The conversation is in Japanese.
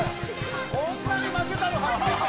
こんなに負けたの初めて！